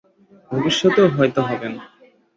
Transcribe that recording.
ভবিষ্যতেও হয়তো হবেন।